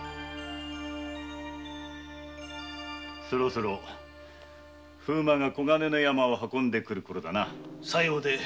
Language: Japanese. そろそろ風馬が黄金の山を運んでくるころだな。